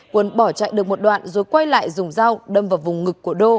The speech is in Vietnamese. quân bỏ chạy được một đoạn rồi quay lại dùng dao đâm vào vùng ngực của đô